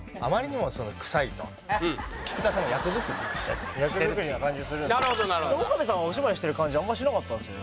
菊田さんは役作りをしてるっていう役作りな感じするんで岡部さんはお芝居してる感じあんましなかったんですよね